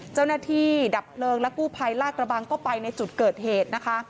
เจ้าหน้าที่ดับเปลืองและกู้ไภลากระบังก็ไปในจุดเกิดเหตุ